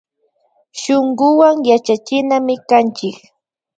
Shunkuwan yachachinami kanchik